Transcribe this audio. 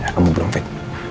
kamu belum fit